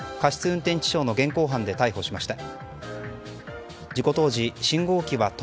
運転致傷の現行犯で逮捕しました。